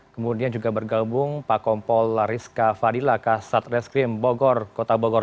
kemudian juga bergabung pak kompol lariska fadila kasat reskrim bogor kota bogor